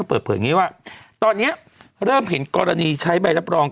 เปิดเผยอย่างนี้ว่าตอนนี้เริ่มเห็นกรณีใช้ใบรับรอง